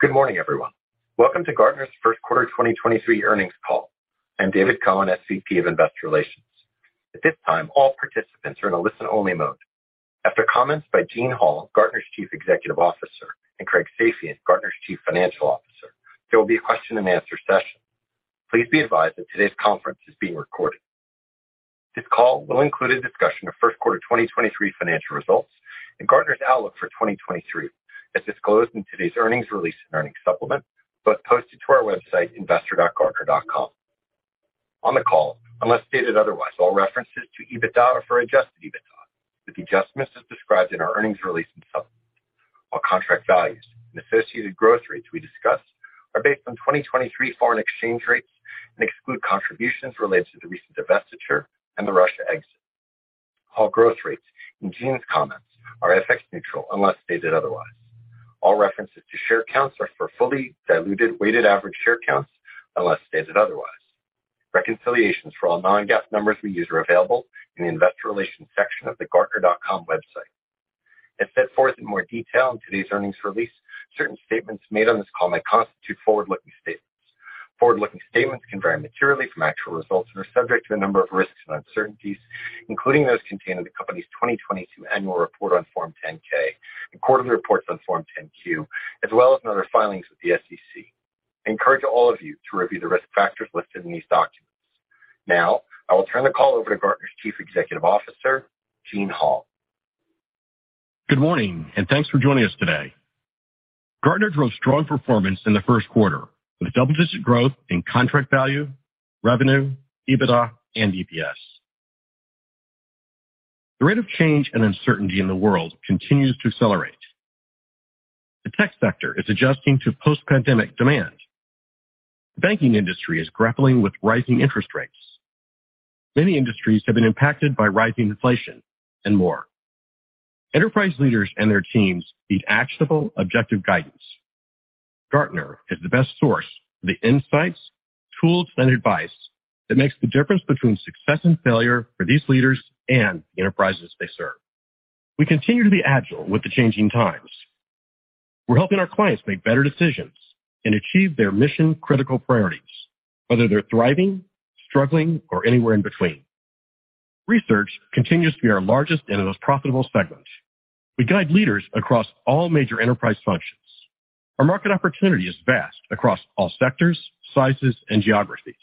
Good morning, everyone. Welcome to Gartner's 1st quarter 2023 earnings call. I'm David Cohen, SVP of Investor Relations. At this time, all participants are in a listen-only mode. After comments by Gene Hall, Gartner's Chief Executive Officer, and Craig Safian, Gartner's Chief Financial Officer, there will be a question-and-answer session. Please be advised that today's conference is being recorded. This call will include a discussion of 1st quarter 2023 financial results and Gartner's outlook for 2023, as disclosed in today's earnings release and earnings supplement, both posted to our website, investordotgartnerdotcom. On the call, unless stated otherwise, all references to EBITDA are for adjusted EBITDA, with the adjustments as described in our earnings release and supplement. All contract values and associated growth rates we discuss are based on 2023 foreign exchange rates and exclude contributions related to the recent divestiture and the Russia exit. All growth rates in Gene's comments are FX neutral, unless stated otherwise. All references to share counts are for fully diluted weighted average share counts, unless stated otherwise. Reconciliations for all non-GAAP numbers we use are available in the investor relations section of the Gartner.com website. As set forth in more detail in today's earnings release, certain statements made on this call may constitute forward-looking statements. Forward-looking statements can vary materially from actual results and are subject to a number of risks and uncertainties, including those contained in the company's 2022 annual report on Form 10-K and quarterly reports on Form 10-Q, as well as in other filings with the SEC. I encourage all of you to review the risk factors listed in these documents. Now, I will turn the call over to Gartner's Chief Executive Officer, Gene Hall. Good morning. Thanks for joining us today. Gartner drove strong performance in the first quarter, with double-digit growth in contract value, revenue, EBITDA and EPS. The rate of change and uncertainty in the world continues to accelerate. The tech sector is adjusting to post-pandemic demand. The banking industry is grappling with rising interest rates. Many industries have been impacted by rising inflation and more. Enterprise leaders and their teams need actionable, objective guidance. Gartner is the best source for the insights, tools and advice that makes the difference between success and failure for these leaders and the enterprises they serve. We continue to be agile with the changing times. We're helping our clients make better decisions and achieve their mission-critical priorities, whether they're thriving, struggling, or anywhere in between. Research continues to be our largest and most profitable segment. We guide leaders across all major enterprise functions. Our market opportunity is vast across all sectors, sizes and geographies,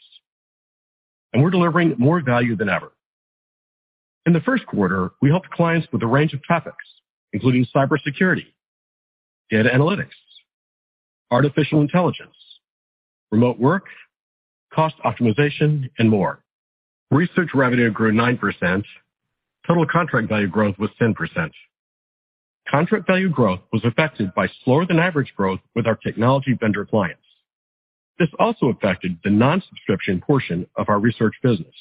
and we're delivering more value than ever. In the first quarter, we helped clients with a range of topics, including cybersecurity, data analytics, artificial intelligence, remote work, cost optimization and more. Research revenue grew 9%. Total contract value growth was 10%. Contract value growth was affected by slower-than-average growth with our technology vendor clients. This also affected the non-subscription portion of our research business.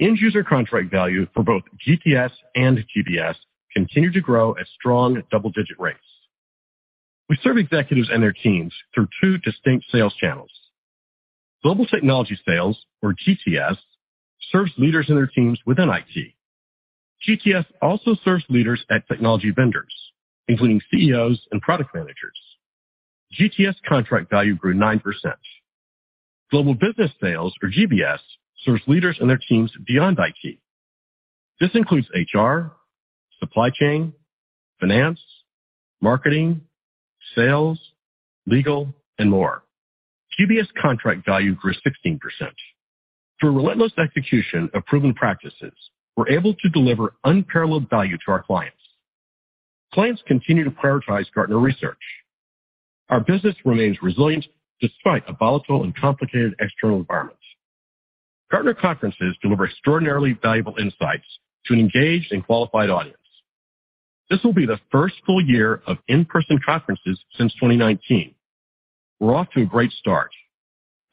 End user contract value for both GTS and GBS continued to grow at strong double-digit rates. We serve executives and their teams through two distinct sales channels. Global technology sales, or GTS, serves leaders and their teams within IT. GTS also serves leaders at technology vendors, including CEOs and product managers. GTS contract value grew 9%. Global business sales, or GBS, serves leaders and their teams beyond IT. This includes HR, supply chain, finance, marketing, sales, legal and more. GBS contract value grew 16%. Through relentless execution of proven practices, we're able to deliver unparalleled value to our clients. Clients continue to prioritize Gartner research. Our business remains resilient despite a volatile and complicated external environment. Gartner conferences deliver extraordinarily valuable insights to an engaged and qualified audience. This will be the first full year of in-person conferences since 2019. We're off to a great start.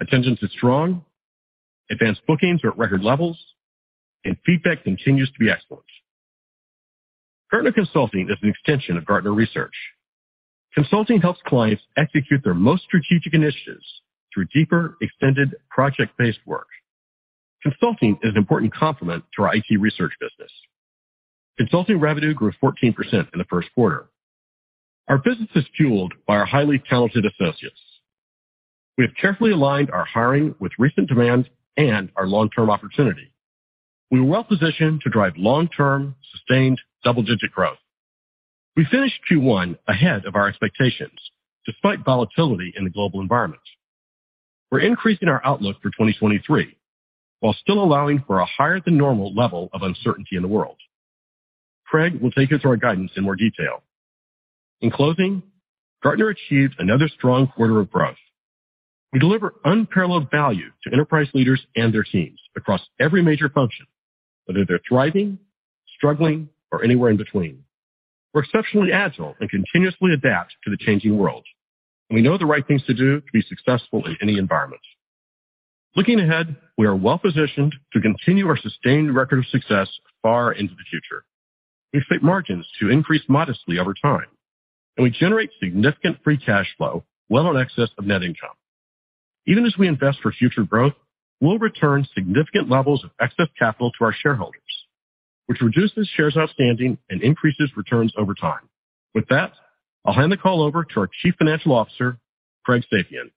Attendance is strong, advanced bookings are at record levels, and feedback continues to be excellent. Gartner Consulting is an extension of Gartner Research. Consulting helps clients execute their most strategic initiatives through deeper, extended project-based work. Consulting is an important complement to our IT research business. Consulting revenue grew 14% in the first quarter. Our business is fueled by our highly talented associates. We have carefully aligned our hiring with recent demand and our long-term opportunity. We are well-positioned to drive long-term, sustained double-digit growth. We finished Q1 ahead of our expectations despite volatility in the global environment. We're increasing our outlook for 2023, while still allowing for a higher-than-normal level of uncertainty in the world. Craig will take you through our guidance in more detail. In closing, Gartner achieved another strong quarter of growth. We deliver unparalleled value to enterprise leaders and their teams across every major function, whether they're thriving, struggling, or anywhere in between. We're exceptionally agile and continuously adapt to the changing world, and we know the right things to do to be successful in any environment. Looking ahead, we are well-positioned to continue our sustained record of success far into the future. We expect margins to increase modestly over time. We generate significant free cash flow well in excess of net income. Even as we invest for future growth, we'll return significant levels of excess capital to our shareholders, which reduces shares outstanding and increases returns over time. With that, I'll hand the call over to our Chief Financial Officer, Craig Safian.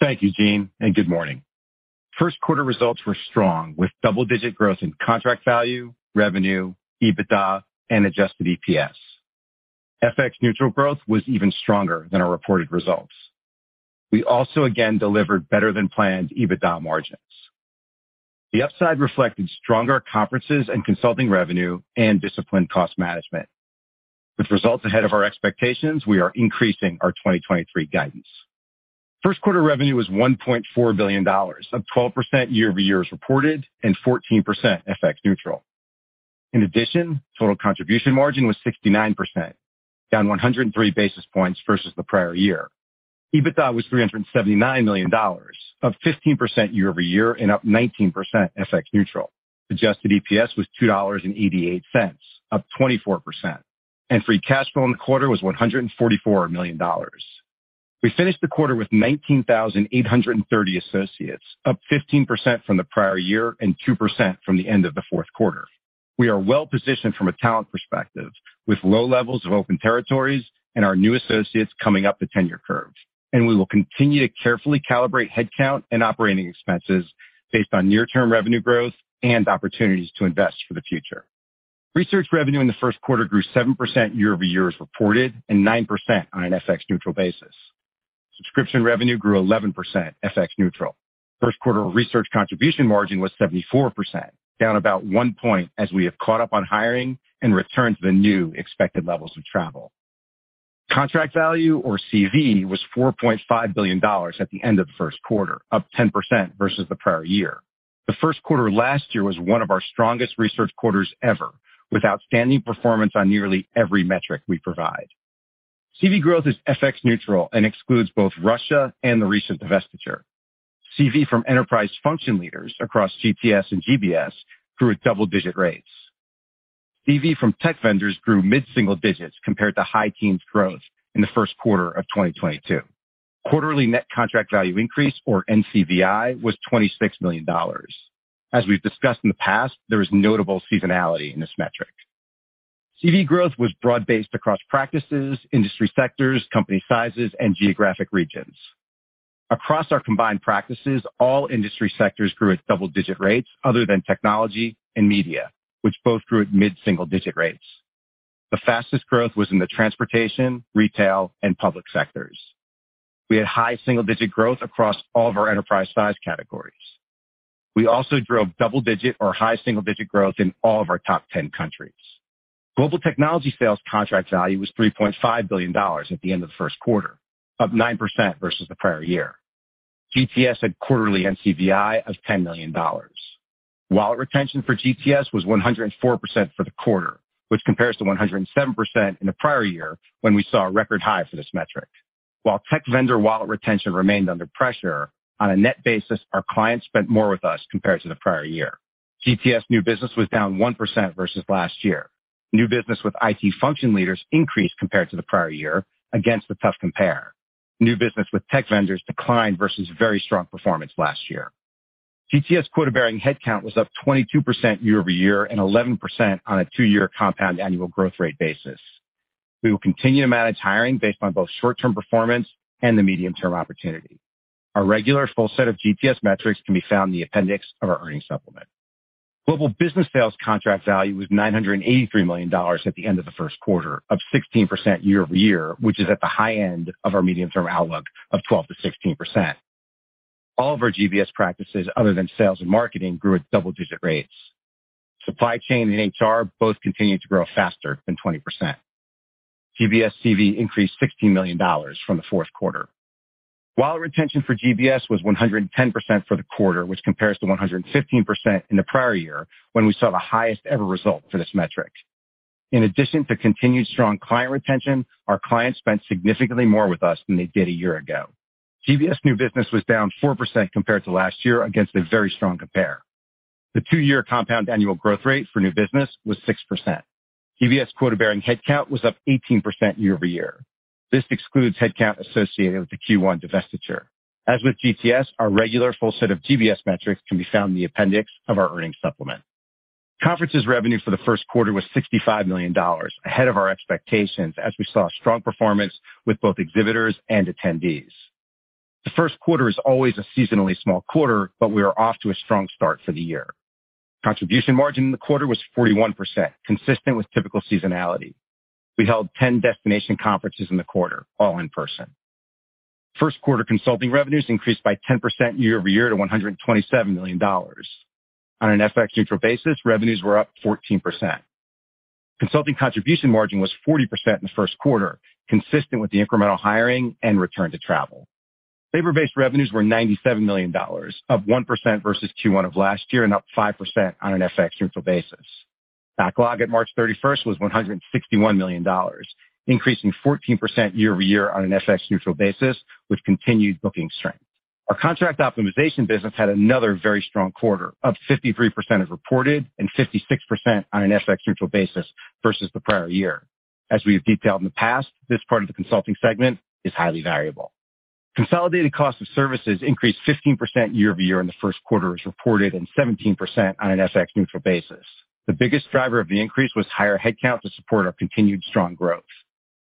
Thank you, Gene. Good morning. First quarter results were strong with double-digit growth in contract value, revenue, EBITDA, and adjusted EPS. FX neutral growth was even stronger than our reported results. We also again delivered better than planned EBITDA margins. The upside reflected stronger conferences and consulting revenue and disciplined cost management. With results ahead of our expectations, we are increasing our 2023 guidance. First quarter revenue was $1.4 billion, up 12% year-over-year as reported, and 14% FX neutral. In addition, total contribution margin was 69%, down 103 basis points versus the prior year. EBITDA was $379 million, up 15% year-over-year and up 19% FX neutral. Adjusted EPS was $2.88, up 24%, and free cash flow in the quarter was $144 million. We finished the quarter with 19,830 associates, up 15% from the prior year and 2% from the end of the fourth quarter. We are well-positioned from a talent perspective with low levels of open territories and our new associates coming up the tenure curve. We will continue to carefully calibrate headcount and OpEx based on near-term revenue growth and opportunities to invest for the future. Research revenue in the first quarter grew 7% year-over-year as reported, and 9% on an FX neutral basis. Subscription revenue grew 11% FX neutral. First quarter research contribution margin was 74%, down about 1 point as we have caught up on hiring and returned to the new expected levels of travel. Contract value or CV was $4.5 billion at the end of the first quarter, up 10% versus the prior year. The first quarter last year was one of our strongest research quarters ever, with outstanding performance on nearly every metric we provide. CV growth is FX neutral and excludes both Russia and the recent divestiture. CV from enterprise function leaders across GTS and GBS grew at double-digit rates. CV from tech vendors grew mid-single digits compared to high teens growth in the first quarter of 2022. Quarterly net contract value increase or NCVI was $26 million. As we've discussed in the past, there is notable seasonality in this metric. CV growth was broad-based across practices, industry sectors, company sizes, and geographic regions. Across our combined practices, all industry sectors grew at double-digit rates other than technology and media, which both grew at mid-single digit rates. The fastest growth was in the transportation, retail, and public sectors. We had high single-digit growth across all of our enterprise size categories. We also drove double-digit or high single-digit growth in all of our top 10 countries. Global technology sales contract value was $3.5 billion at the end of the first quarter, up 9% versus the prior year. GTS had quarterly NCVI of $10 million. Wallet retention for GTS was 104% for the quarter, which compares to 107% in the prior year when we saw a record high for this metric. While tech vendor wallet retention remained under pressure, on a net basis, our clients spent more with us compared to the prior year. GTS new business was down 1% versus last year. New business with IT function leaders increased compared to the prior year against a tough compare. New business with tech vendors declined versus very strong performance last year. GTS quota-bearing headcount was up 22% year-over-year and 11% on a two-year compound annual growth rate basis. We will continue to manage hiring based on both short-term performance and the medium-term opportunity. Our regular full set of GBS metrics can be found in the appendix of our earnings supplement. Global Business Sales contract value was $983 million at the end of the first quarter, up 16% year-over-year, which is at the high end of our medium-term outlook of 12%-16%. All of our GBS practices, other than Sales and Marketing, grew at double-digit rates. Supply Chain and HR both continued to grow faster than 20%. GBS CV increased $16 million from the fourth quarter, while retention for GBS was 110% for the quarter, which compares to 115% in the prior year when we saw the highest ever result for this metric. In addition to continued strong client retention, our clients spent significantly more with us than they did a year ago. GBS new business was down 4% compared to last year against a very strong compare. The two-year compound annual growth rate for new business was 6%. GBS quota-bearing headcount was up 18% year-over-year. This excludes headcount associated with the Q1 divestiture. As with GTS, our regular full set of GBS metrics can be found in the appendix of our earnings supplement. Conferences revenue for the first quarter was $65 million, ahead of our expectations as we saw strong performance with both exhibitors and attendees. The first quarter is always a seasonally small quarter, but we are off to a strong start for the year. Contribution margin in the quarter was 41%, consistent with typical seasonality. We held 10 destination conferences in the quarter, all in person. First quarter Consulting revenues increased by 10% year-over-year to $127 million. On an FX neutral basis, revenues were up 14%. Consulting contribution margin was 40% in the first quarter, consistent with the incremental hiring and return to travel. Labor-based revenues were $97 million, up 1% versus Q1 of last year and up 5% on an FX neutral basis. Backlog at March 31st was $161 million, increasing 14% year-over-year on an FX neutral basis with continued booking strength. Our contract optimization business had another very strong quarter, up 53% as reported and 56% on an FX neutral basis versus the prior year. We have detailed in the past, this part of the consulting segment is highly variable. Consolidated cost of services increased 15% year-over-year in the first quarter as reported, and 17% on an FX neutral basis. The biggest driver of the increase was higher headcount to support our continued strong growth.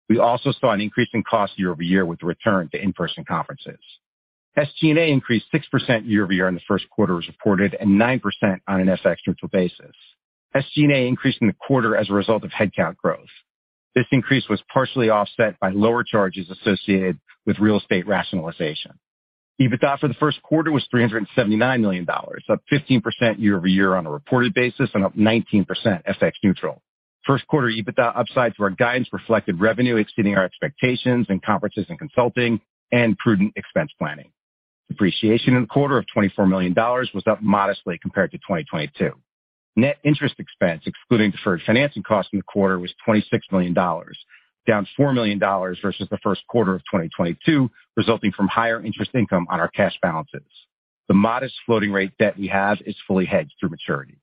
We also saw an increase in cost year-over-year with the return to in-person conferences. SG&A increased 6% year-over-year in the first quarter as reported, and 9% on an FX neutral basis. SG&A increased in the quarter as a result of headcount growth. This increase was partially offset by lower charges associated with real estate rationalization. EBITDA for the first quarter was $379 million, up 15% year-over-year on a reported basis and up 19% FX neutral. First quarter EBITDA upside to our guidance reflected revenue exceeding our expectations in conferences and consulting and prudent expense planning. Depreciation in the quarter of $24 million was up modestly compared to 2022. Net interest expense, excluding deferred financing costs in the quarter, was $26 million, down $4 million versus the first quarter of 2022, resulting from higher interest income on our cash balances. The modest floating rate debt we have is fully hedged through maturity.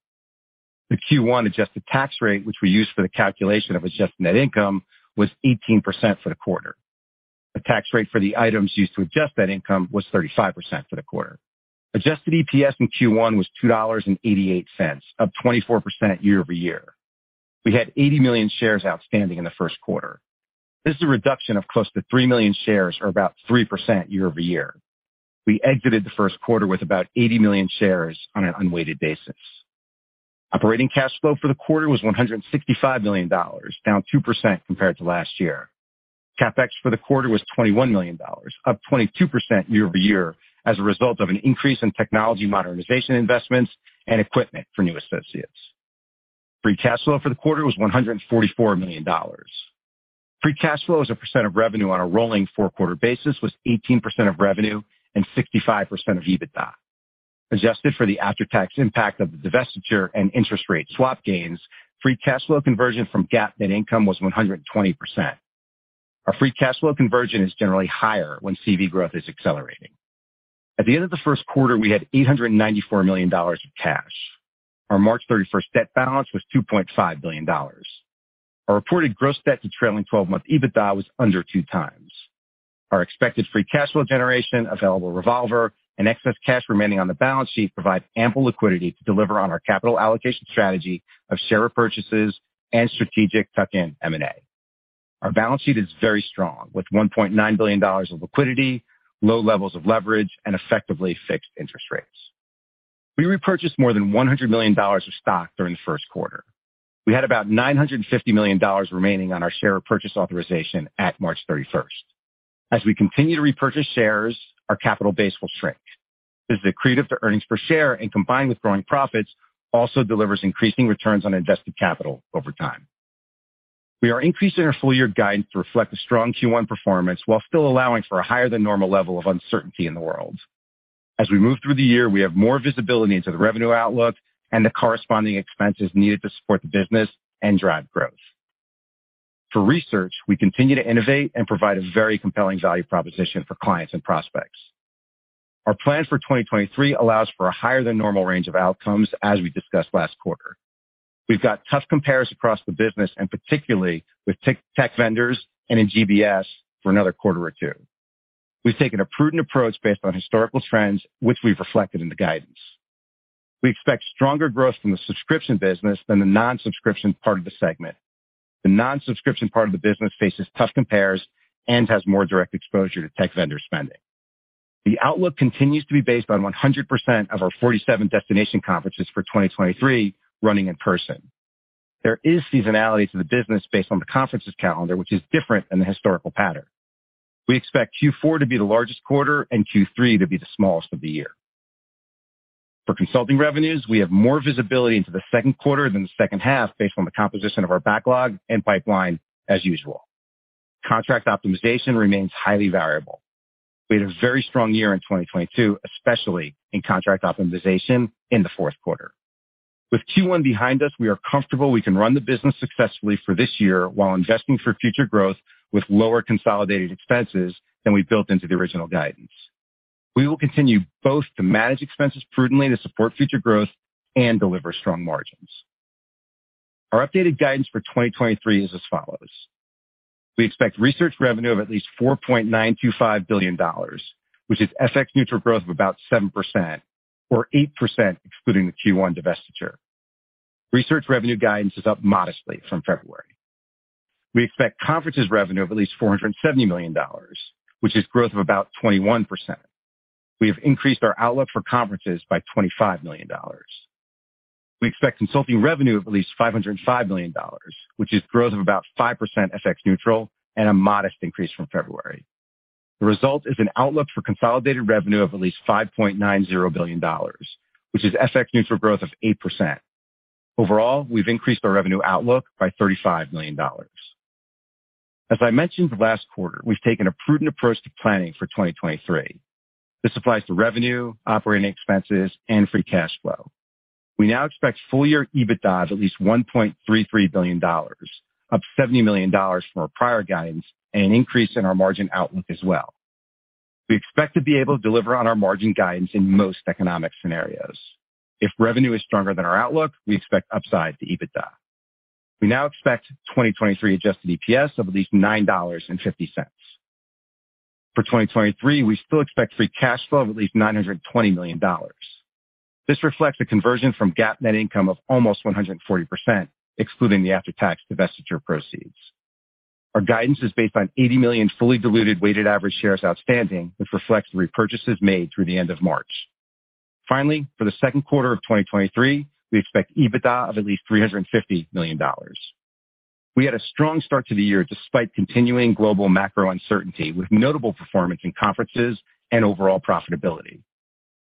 The Q1 adjusted tax rate, which we use for the calculation of adjusted net income, was 18% for the quarter. The tax rate for the items used to adjust that income was 35% for the quarter. Adjusted EPS in Q1 was $2.88, up 24% year-over-year. We had 80 million shares outstanding in the first quarter. This is a reduction of close to 3 million shares, or about 3% year-over-year. We exited the first quarter with about 80 million shares on an unweighted basis. Operating cash flow for the quarter was $165 million, down 2% compared to last year. CapEx for the quarter was $21 million, up 22% year-over-year as a result of an increase in technology modernization investments and equipment for new associates. Free cash flow for the quarter was $144 million. Free cash flow as a percent of revenue on a rolling four-quarter basis was 18% of revenue and 65% of EBITDA. Adjusted for the after-tax impact of the divestiture and interest rate swap gains, free cash flow conversion from GAAP net income was 120%. Our free cash flow conversion is generally higher when CV growth is accelerating. At the end of the first quarter, we had $894 million of cash. Our March 31st debt balance was $2.5 billion. Our reported gross debt to trailing twelve-month EBITDA was under 2x. Our expected free cash flow generation, available revolver, and excess cash remaining on the balance sheet provide ample liquidity to deliver on our capital allocation strategy of share repurchases and strategic tuck-in M&A. Our balance sheet is very strong, with $1.9 billion of liquidity, low levels of leverage, and effectively fixed interest rates. We repurchased more than $100 million of stock during the first quarter. We had about $950 million remaining on our share purchase authorization at March 31st. As we continue to repurchase shares, our capital base will shrink. This is accretive to earnings per share, and combined with growing profits, also delivers increasing returns on invested capital over time. We are increasing our full-year guidance to reflect the strong Q1 performance while still allowing for a higher than normal level of uncertainty in the world. As we move through the year, we have more visibility into the revenue outlook and the corresponding expenses needed to support the business and drive growth. For research, we continue to innovate and provide a very compelling value proposition for clients and prospects. Our plan for 2023 allows for a higher than normal range of outcomes as we discussed last quarter. We've got tough compares across the business and particularly with tech vendors and in GBS for another quarter or two. We've taken a prudent approach based on historical trends, which we've reflected in the guidance. We expect stronger growth from the subscription business than the non-subscription part of the segment. The non-subscription part of the business faces tough compares and has more direct exposure to tech vendor spending. The outlook continues to be based on 100% of our 47 destination conferences for 2023 running in person. There is seasonality to the business based on the conferences calendar, which is different than the historical pattern. We expect Q4 to be the largest quarter and Q3 to be the smallest of the year. For consulting revenues, we have more visibility into the second quarter than the second half based on the composition of our backlog and pipeline as usual. Contract optimization remains highly variable. We had a very strong year in 2022, especially in contract optimization in the fourth quarter. With Q1 behind us, we are comfortable we can run the business successfully for this year while investing for future growth with lower consolidated expenses than we built into the original guidance. We will continue both to manage expenses prudently to support future growth and deliver strong margins. Our updated guidance for 2023 is as follows. We expect research revenue of at least $4.925 billion, which is FX neutral growth of about 7%, or 8% excluding the Q1 divestiture. Research revenue guidance is up modestly from February. We expect conferences revenue of at least $470 million, which is growth of about 21%. We have increased our outlook for conferences by $25 million. We expect consulting revenue of at least $505 million, which is growth of about 5% FX neutral and a modest increase from February. The result is an outlook for consolidated revenue of at least $5.90 billion, which is FX neutral growth of 8%. Overall, we've increased our revenue outlook by $35 million. As I mentioned last quarter, we've taken a prudent approach to planning for 2023. This applies to revenue, OpEx, and free cash flow. We now expect full-year EBITDA of at least $1.33 billion, up $70 million from our prior guidance and an increase in our margin outlook as well. We expect to be able to deliver on our margin guidance in most economic scenarios. If revenue is stronger than our outlook, we expect upside to EBITDA. We now expect 2023 adjusted EPS of at least $9.50. For 2023, we still expect free cash flow of at least $920 million. This reflects a conversion from GAAP net income of almost 140%, excluding the after-tax divestiture proceeds. Our guidance is based on 80 million fully diluted weighted average shares outstanding, which reflects repurchases made through the end of March. For the second quarter of 2023, we expect EBITDA of at least $350 million. We had a strong start to the year despite continuing global macro uncertainty, with notable performance in conferences and overall profitability.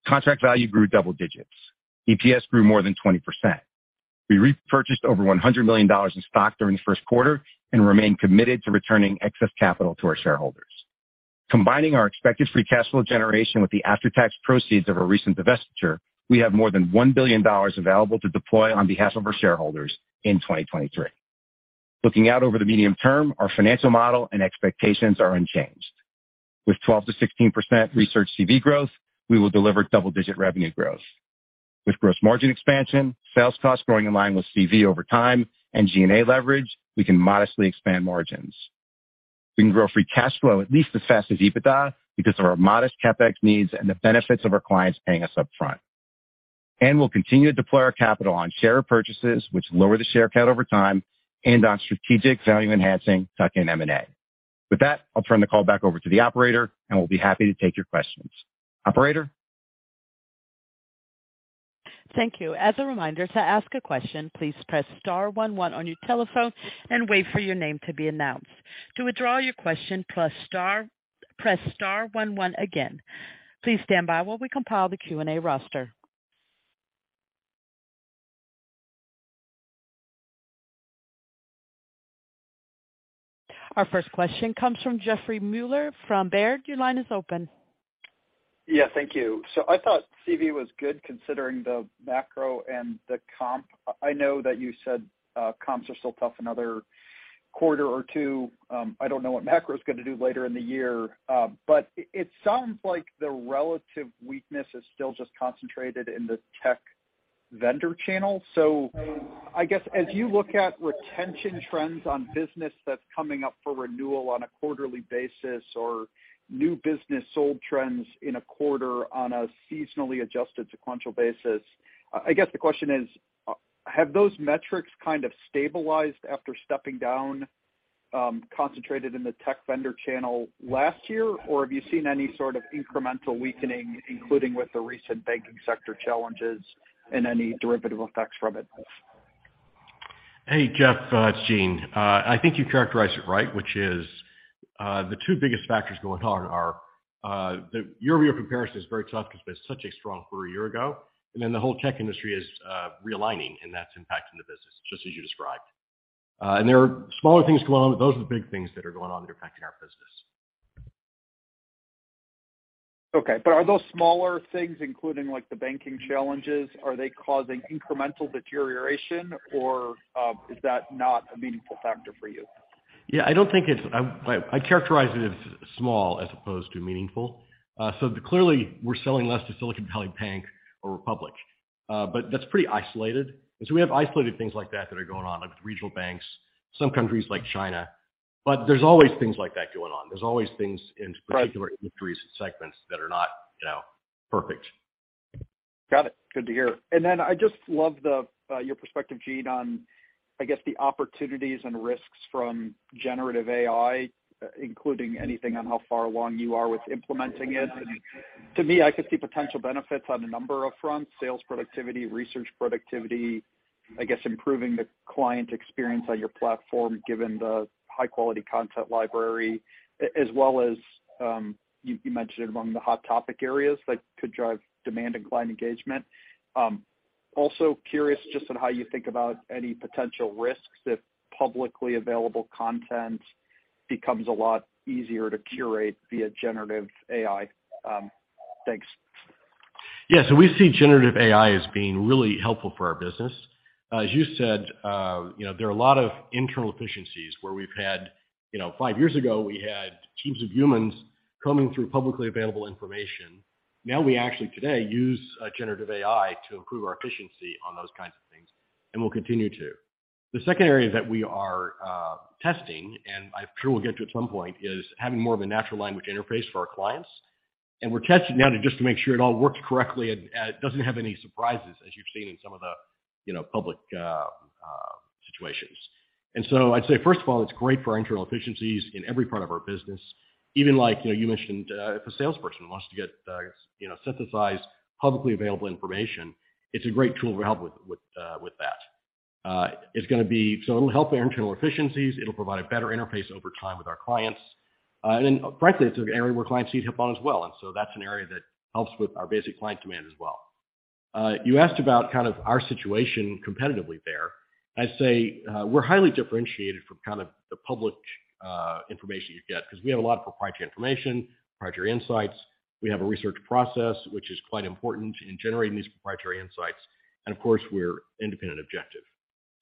contract value grew double digits. EPS grew more than 20%. We repurchased over $100 million in stock during the first quarter and remain committed to returning excess capital to our shareholders. Combining our expected free cash flow generation with the after-tax proceeds of our recent divestiture, we have more than $1 billion available to deploy on behalf of our shareholders in 2023. Looking out over the medium term, our financial model and expectations are unchanged. With 12%-16% research CV growth, we will deliver double-digit revenue growth. With gross margin expansion, sales costs growing in line with CV over time and GNA leverage, we can modestly expand margins. We can grow free cash flow at least as fast as EBITDA because of our modest CapEx needs and the benefits of our clients paying us upfront. We'll continue to deploy our capital on share purchases, which lower the share count over time, and on strategic value-enhancing tuck-in M&A. With that, I'll turn the call back over to the operator, and we'll be happy to take your questions. Operator? Thank you. As a reminder, to ask a question, please press star one one on your telephone and wait for your name to be announced. To withdraw your question, press star one one again. Please stand by while we compile the Q&A roster. Our first question comes from Jeffrey Meuler from Baird. Your line is open. Yeah, thank you. I thought CV was good considering the macro and the comp. I know that you said, comps are still tough another quarter or two. I don't know what macro is gonna do later in the year, but it sounds like the relative weakness is still just concentrated in the tech vendor channel. I guess as you look at retention trends on business that's coming up for renewal on a quarterly basis or new business sold trends in a quarter on a seasonally adjusted sequential basis, I guess the question is, have those metrics kind of stabilized after stepping down, concentrated in the tech vendor channel last year? Have you seen any sort of incremental weakening, including with the recent banking sector challenges and any derivative effects from it? Hey, Jeff, it's Gene. I think you characterized it right, which is, the two biggest factors going on are, the year-over-year comparison is very tough because we had such a strong quarter a year ago. The whole tech industry is realigning, and that's impacting the business just as you described. There are smaller things going on, but those are the big things that are going on that are impacting our business. Okay, are those smaller things including, like, the banking challenges, are they causing incremental deterioration or is that not a meaningful factor for you? Yeah, I don't think I'd characterize it as small as opposed to meaningful. Clearly we're selling less to Silicon Valley Bank or Republic, but that's pretty isolated. We have isolated things like that that are going on, like with regional banks, some countries like China, but there's always things like that going on. There's always things in particular industries and segments that are not, perfect. Got it. Good to hear. Then I just love the your perspective, Gene, on, I guess, the opportunities and risks from generative AI, including anything on how far along you are with implementing it. To me, I could see potential benefits on a number of fronts, sales productivity, research productivity, I guess improving the client experience on your platform, given the high-quality content library, as well as, you mentioned among the hot topic areas that could drive demand and client engagement. Also curious just on how you think about any potential risks if publicly available content becomes a lot easier to curate via generative AI. Thanks. Yeah. We see generative AI as being really helpful for our business. As you said, you know, there are a lot of internal efficiencies where we've had, you know, five years ago, we had teams of humans combing through publicly available information. Now we actually today use generative AI to improve our efficiency on those kinds of things, and we'll continue to. The second area that we are testing, and I'm sure we'll get to at some point, is having more of a natural language interface for our clients. We're testing that just to make sure it all works correctly and doesn't have any surprises as you've seen in some of the, you know, public situations. I'd say, first of all, it's great for our internal efficiencies in every part of our business. Even like, you know, you mentioned, if a salesperson wants to get, you know, synthesized publicly available information, it's a great tool to help with that. It'll help our internal efficiencies. It'll provide a better interface over time with our clients. Frankly, it's an area where clients need help on as well. That's an area that helps with our basic client demand as well. You asked about kind of our situation competitively there. I'd say, we're highly differentiated from kind of the public information you get because we have a lot of proprietary information, proprietary insights. We have a research process, which is quite important in generating these proprietary insights. Of course, we're independent objective.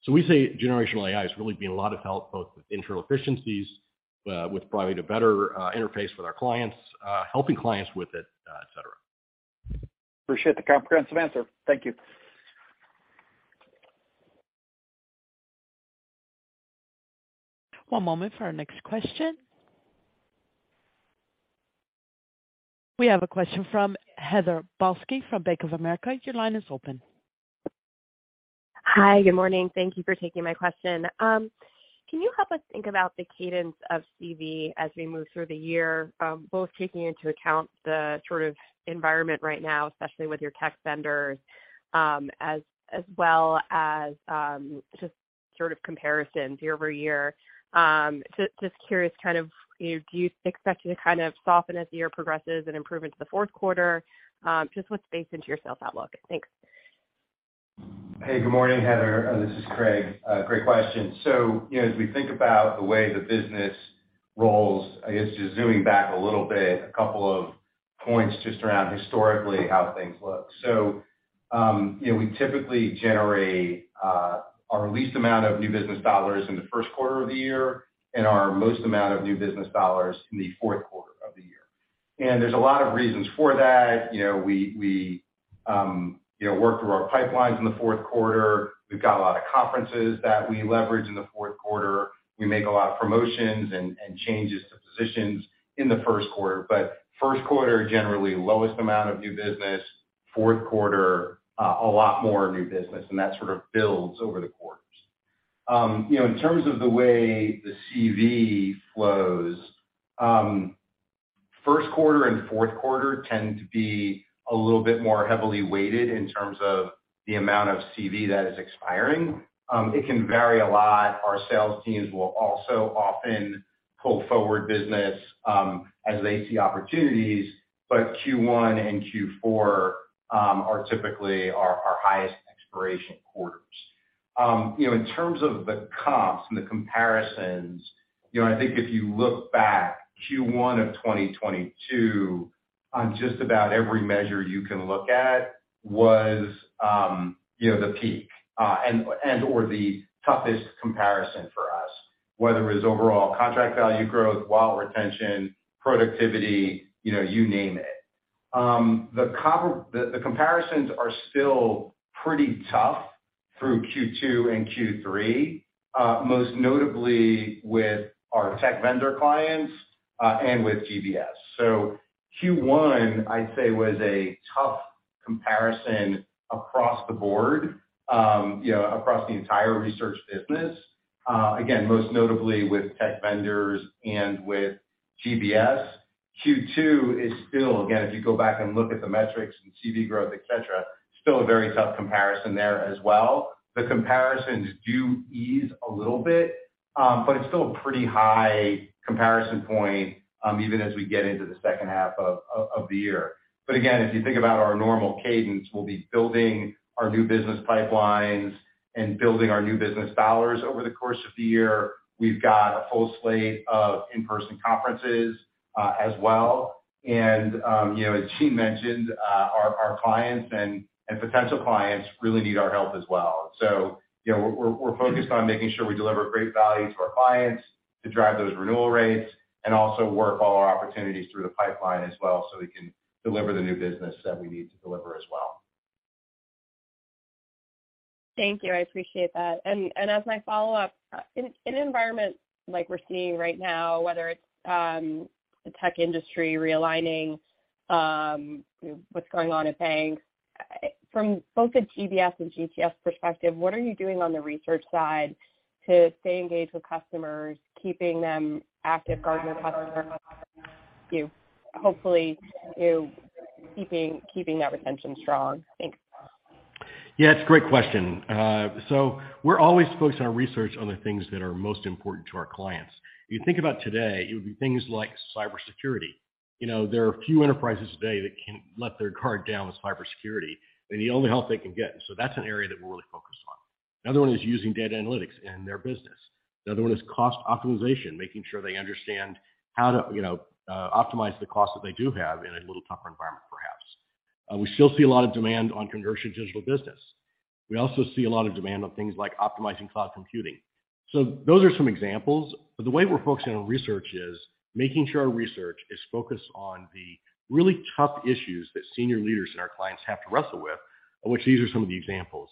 We say generative AI has really been a lot of help, both with internal efficiencies, with providing a better interface with our clients, helping clients with it, et cetera. Appreciate the comprehensive answer. Thank you. One moment for our next question. We have a question from Heather Balsky from Bank of America. Your line is open. Hi, good morning. Thank you for taking my question. Can you help us think about the cadence of CV as we move through the year, both taking into account the sort of environment right now, especially with your tech vendors, as well as just sort of comparisons year-over-year. Just curious, kind of do you expect it to kind of soften as the year progresses and improve into the fourth quarter? Just what's baked into your sales outlook? Thanks. Hey, good morning, Heather. This is Craig. Great question. You know, as we think about the way the business rolls, I guess just zooming back a little bit, a couple of points just around historically how things look. We typically generate our least amount of new business dollars in the first quarter of the year and our most amount of new business dollars in the fourth quarter of the year. There's a lot of reasons for that. You know, we, you know, work through our pipelines in the fourth quarter. We've got a lot of conferences that we leverage in the fourth quarter. We make a lot of promotions and changes to positions in the first quarter. First quarter, generally lowest amount of new business, fourth quarter, a lot more new business. That sort of builds over the quarters. you know, in terms of the way the CV flows, first quarter and fourth quarter tend to be a little bit more heavily weighted in terms of the amount of CV that is expiring. It can vary a lot. Our sales teams will also often pull forward business, as they see opportunities. Q1 and Q4, are typically our highest expiration quarters. you know, in terms of the comps and the comparisons, you know, I think if you look back Q1 of 2022 on just about every measure you can look at was, you know, the peak, and/or the toughest comparison for us, whether it was overall contract value growth, wallet retention, productivity, you know, you name it. The comparisons are still pretty tough through Q2 and Q3, most notably with our tech vendor clients, and with GBS. Q1, I'd say, was a tough comparison across the board, you know, across the entire research business, again, most notably with tech vendors and with GBS. Q2 is still, again, if you go back and look at the metrics and CV growth, et cetera, still a very tough comparison there as well. The comparisons do ease a little bit, but it's still a pretty high comparison point, even as we get into the second half of the year. Again, if you think about our normal cadence, we'll be building our new business pipelines and building our new business dollars over the course of the year. We've got a full slate of in-person conferences, as well. You know, as Gene mentioned, our clients and potential clients really need our help as well. You know, we're focused on making sure we deliver great value to our clients to drive those renewal rates and also work all our opportunities through the pipeline as well, so we can deliver the new business that we need to deliver as well. Thank you. I appreciate that. As my follow-up, in an environment like we're seeing right now, whether it's, the tech industry realigning, you know, what's going on in banks, from both a GBS and GTS perspective, what are you doing on the research side to stay engaged with customers, keeping them active Gartner customers, you know, hopefully, you know, keeping that retention strong? Thanks. Yeah, it's a great question. We're always focused on our research on the things that are most important to our clients. If you think about today, it would be things like cybersecurity. You know, there are a few enterprises today that can let their guard down with cybersecurity. They need all the help they can get. That's an area that we're really focused on. Another one is using data analytics in their business. Another one is cost optimization, making sure they understand how to, you know, optimize the costs that they do have in a little tougher environment, perhaps. We still see a lot of demand on conversion to digital business. We also see a lot of demand on things like optimizing cloud computing. Those are some examples. The way we're focusing on research is making sure our research is focused on the really tough issues that senior leaders and our clients have to wrestle with, of which these are some of the examples.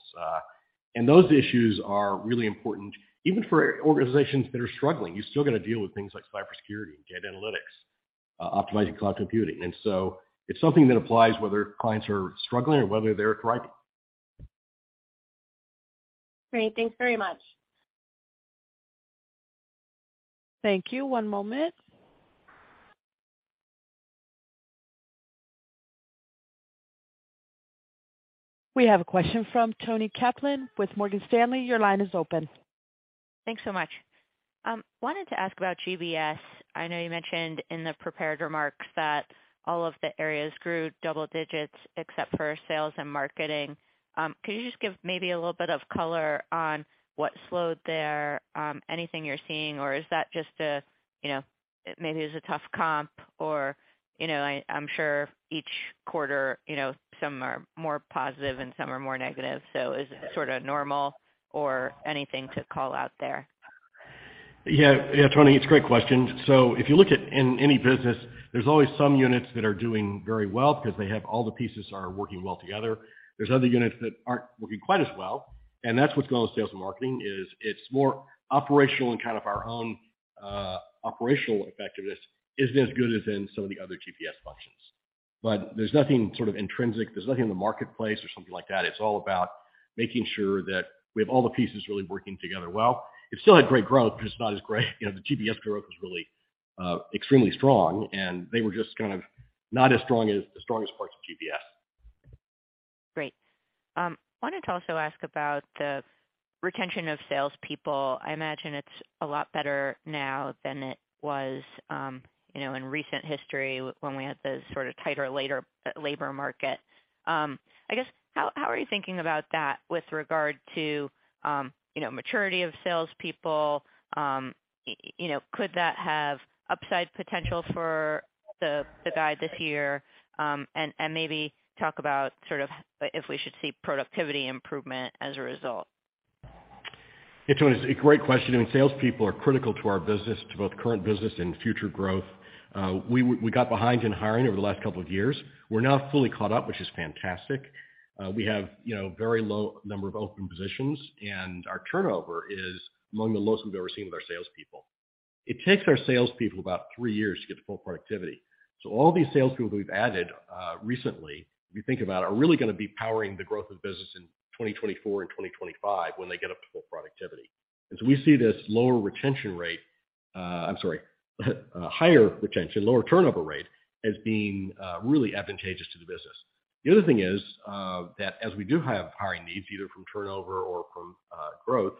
Those issues are really important even for organizations that are struggling. You still got to deal with things like cybersecurity and data analytics, optimizing cloud computing. It's something that applies whether clients are struggling or whether they're thriving. Great. Thanks very much. Thank you. One moment. We have a question from Toni Kaplan with Morgan Stanley. Your line is open. Thanks so much. Wanted to ask about GBS. I know you mentioned in the prepared remarks that all of the areas grew double digits except for sales and marketing. Could you just give maybe a little bit of color on what slowed there? Anything you're seeing, or is that just a, you know, maybe it was a tough comp or, you know, I'm sure each quarter, you know, some are more positive and some are more negative. Is it sort of normal or anything to call out there? Yeah. Yeah, Toni, it's a great question. If you look at in any business, there's always some units that are doing very well because they have all the pieces are working well together. There's other units that aren't working quite as well, and that's what's going on with sales and marketing is it's more operational and kind of our own operational effectiveness isn't as good as in some of the other GBS functions. There's nothing sort of intrinsic. There's nothing in the marketplace or something like that. It's all about making sure that we have all the pieces really working together well. It still had great growth, but it's not as great. You know, the GBS growth was really extremely strong, and they were just kind of not as strong as the strongest parts of GBS. Great. Wanted to also ask about the retention of salespeople. I imagine it's a lot better now than it was, you know, in recent history when we had the sort of tighter labor market. I guess, how are you thinking about that with regard to, you know, maturity of salespeople? You know, could that have upside potential for the guide this year? Maybe talk about sort of if we should see productivity improvement as a result. Yeah, Toni, it's a great question. Salespeople are critical to our business, to both current business and future growth. We got behind in hiring over the last couple of years. We're now fully caught up, which is fantastic. We have, you know, very low number of open positions. Our turnover is among the lowest we've ever seen with our salespeople. It takes our salespeople about 3 years to get to full productivity. All these salespeople that we've added recently, if you think about it, are really gonna be powering the growth of the business in 2024 and 2025 when they get up to full productivity. We see this lower retention rate. I'm sorry, higher retention, lower turnover rate as being really advantageous to the business. The other thing is, that as we do have hiring needs, either from turnover or from, growth,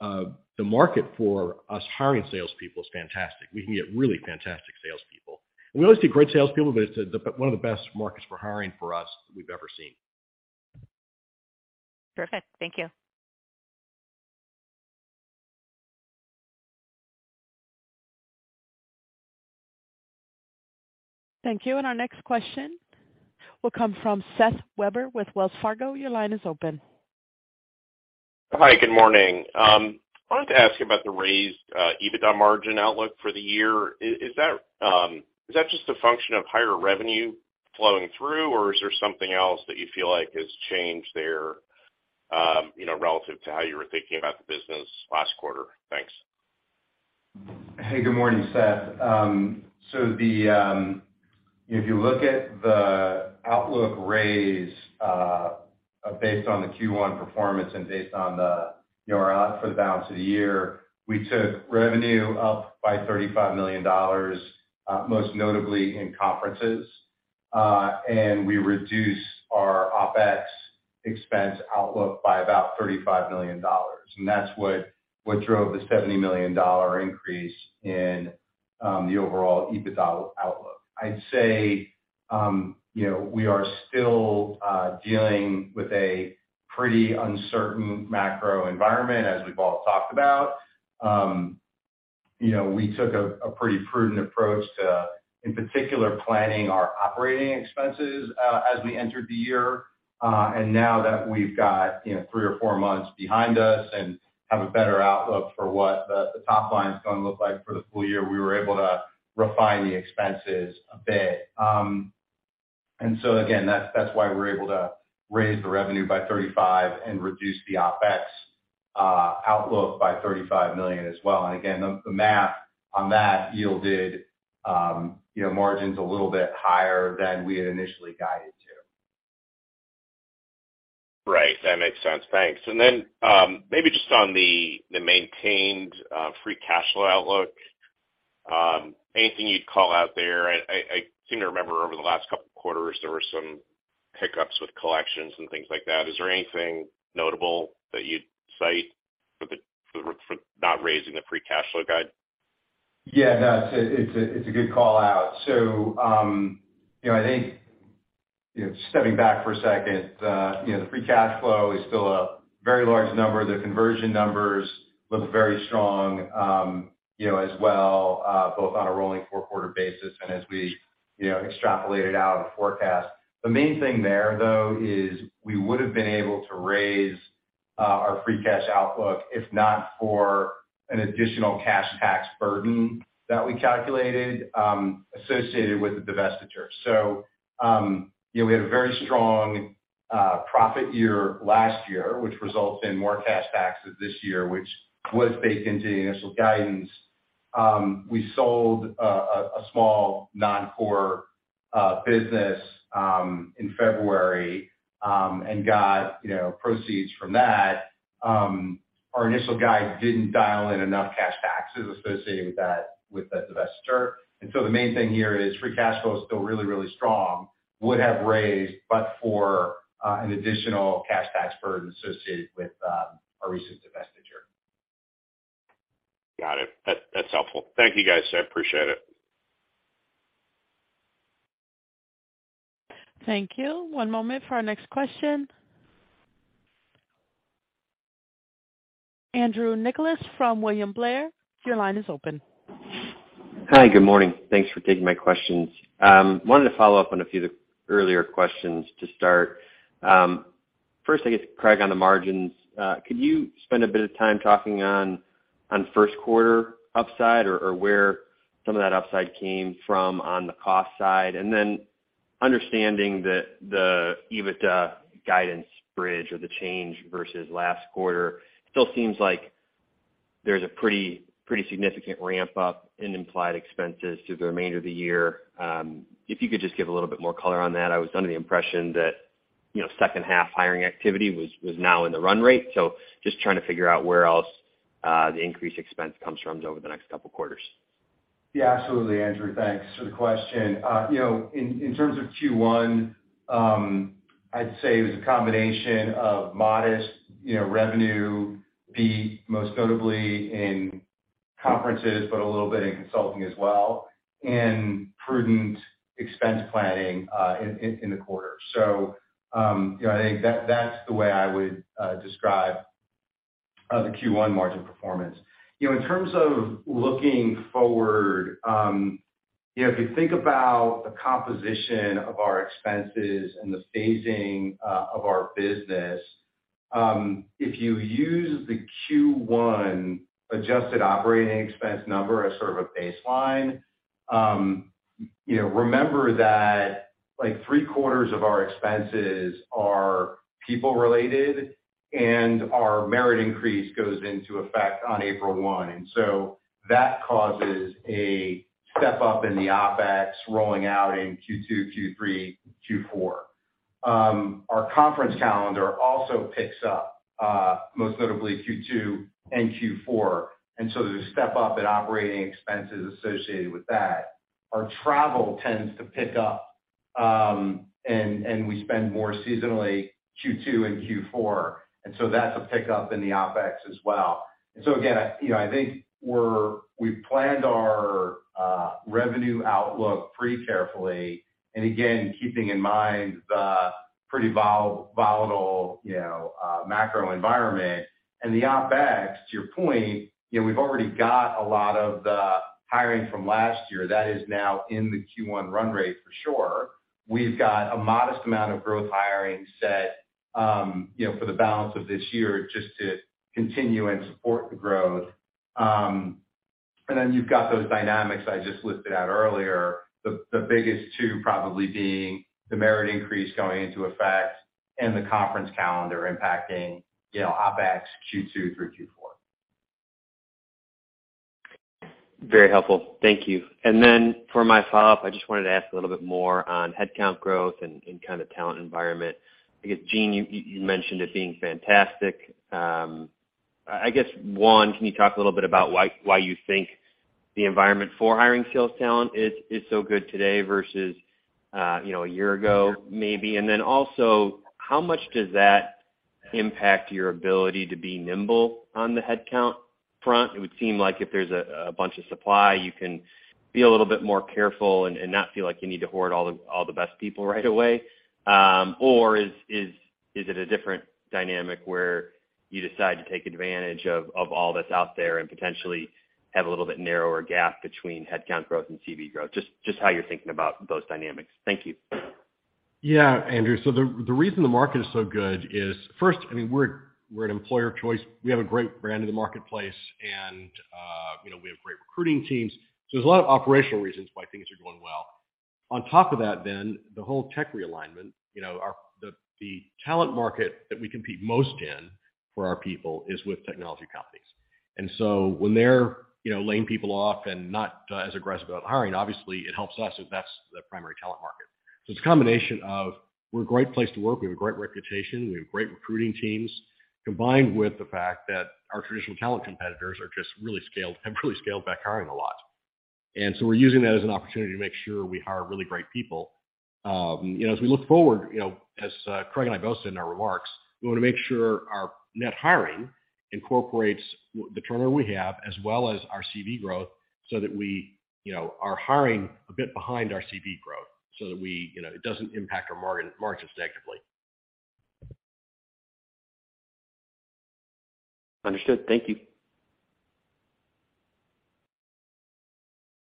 the market for us hiring salespeople is fantastic. We can get really fantastic salespeople. We always get great salespeople, but it's one of the best markets for hiring for us we've ever seen. Perfect. Thank you. Thank you. Our next question will come from Seth Weber with Wells Fargo. Your line is open. Hi, good morning. wanted to ask about the raised EBITDA margin outlook for the year. Is that just a function of higher revenue flowing through, or is there something else that you feel like has changed there, you know, relative to how you were thinking about the business last quarter? Thanks. Hey, good morning, Seth. If you look at the outlook raise, based on the Q1 performance and based on the year-to-date for the balance of the year, we took revenue up by $35 million, most notably in conferences, and we reduced our OpEx expense outlook by about $35 million. That's what drove the $70 million increase in the overall EBITDA outlook. I'd say we are still dealing with a pretty uncertain macro environment, as we've all talked about. You know, we took a pretty prudent approach to, in particular, planning our operating expenses, as we entered the year. Now that we've got, you know, three or four months behind us and have a better outlook for what the top line is gonna look like for the full year, we were able to refine the expenses a bit. Again, that's why we're able to raise the revenue by 35 and reduce the OpEx outlook by $35 million as well. Again, the math on that yielded, you know, margins a little bit higher than we had initially guided to. Right. That makes sense. Thanks. Maybe just on the maintained free cash flow outlook, anything you'd call out there? I seem to remember over the last couple of quarters, there were some hiccups with collections and things like that. Is there anything notable that you'd cite for not raising the free cash flow guide? Yeah, no, it's a good call-out. You know, I think, you know, stepping back for a second, you know, the free cash flow is still a very large number. The conversion numbers look very strong, you know, as well, both on a rolling four-quarter basis and as we, you know, extrapolate it out and forecast. The main thing there, though, is we would've been able to raise our free cash outlook if not for an additional cash tax burden that we calculated, associated with the divestiture. You know, we had a very strong profit year last year, which results in more cash taxes this year, which was baked into the initial guidance. We sold a small non-core business in February, and got proceeds from that. Our initial guide didn't dial in enough cash taxes associated with that, with the divestiture. The main thing here is free cash flow is still really, really strong, would have raised but for an additional cash tax burden associated with our recent divestiture. Got it. That's helpful. Thank you, guys. I appreciate it. Thank you. One moment for our next question. Andrew Nicholas from William Blair, your line is open. Hi, good morning. Thanks for taking my questions. Wanted to follow up on a few of the earlier questions to start. First, I guess, Craig, on the margins, could you spend a bit of time talking on first quarter upside or where some of that upside came from on the cost side? Then understanding the EBITDA guidance bridge or the change versus last quarter, it still seems like there's a pretty significant ramp up in implied expenses through the remainder of the year. If you could just give a little bit more color on that. I was under the impression that, you know, second half hiring activity was now in the run rate. Just trying to figure out where else the increased expense comes from over the next couple quarters. Yeah, absolutely, Andrew. Thanks for the question. You know, in terms of Q1, I'd say it was a combination of modest, you know, revenue, most notably in conferences, but a little bit in consulting as well, and prudent expense planning in the quarter. You know, I think that's the way I would describe the Q1 margin performance. You know, in terms of looking forward, you know, if you think about the composition of our expenses and the phasing of our business, if you use the Q1 adjusted operating expense number as sort of a baseline, you know, remember that like three-quarters of our expenses are people related, and our merit increase goes into effect on April 1. That causes a step up in the OpEx rolling out in Q2, Q3, Q4. Our conference calendar also picks up, most notably Q2 and Q4, there's a step up in operating expenses associated with that. Our travel tends to pick up, we spend more seasonally Q2 and Q4, that's a pickup in the OpEx as well. Again, you know, I think we've planned our revenue outlook pretty carefully. Again, keeping in mind the pretty volatile, you know, macro environment and the OpEx, to your point, you know, we've already got a lot of the hiring from last year that is now in the Q1 run rate for sure. We've got a modest amount of growth hiring set, you know, for the balance of this year just to continue and support the growth. You've got those dynamics I just listed out earlier. The biggest two probably being the merit increase going into effect and the conference calendar impacting, you know, OpEx Q2-Q4. Very helpful. Thank you. For my follow-up, I just wanted to ask a little bit more on headcount growth and kind of talent environment. I guess, Gene, you mentioned it being fantastic. I guess, one, can you talk a little bit about why you think the environment for hiring sales talent is so good today versus, you know, a year ago maybe? Also, how much does that impact your ability to be nimble on the headcount front? It would seem like if there's a bunch of supply, you can be a little bit more careful and not feel like you need to hoard all the best people right away. Is it a different dynamic where you decide to take advantage of all that's out there and potentially have a little bit narrower gap between headcount growth and CV growth? Just how you're thinking about those dynamics. Thank you. Yeah, Andrew. The reason the market is so good is, first, I mean, we're an employer of choice. We have a great brand in the marketplace and, you know, we have great recruiting teams. There's a lot of operational reasons why things are going well. On top of that, the whole tech realignment, you know, the talent market that we compete most in for our people is with technology companies. When they're, you know, laying people off and not as aggressive about hiring, obviously it helps us if that's the primary talent market. It's a combination of we're a great place to work, we have a great reputation, we have great recruiting teams, combined with the fact that our traditional talent competitors are just really scaled back hiring a lot. We're using that as an opportunity to make sure we hire really great people. you know, as we look forward, you know, as Craig and I both said in our remarks, we want to make sure our net hiring incorporates the turnover we have as well as our CV growth so that we, you know, are hiring a bit behind our CV growth so that we, you know, it doesn't impact our margins negatively. Understood. Thank you.